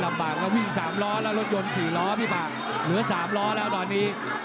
แล้วรถยนต์๔ล้อพี่ปากเหลือ๓ล้อแล้วตอนนี้